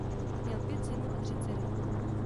Měl pět synů a tři dcery.